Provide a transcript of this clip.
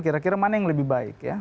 kira kira mana yang lebih baik ya